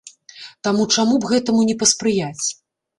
Таму чаму б гэтаму не паспрыяць?